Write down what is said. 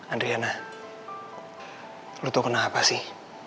adriana lo tau kenapa sih